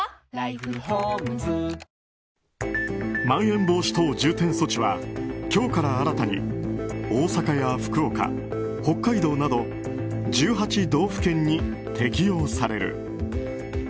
まん延防止等重点措置は今日から新たに大阪や福岡、北海道など１８道府県に適用される。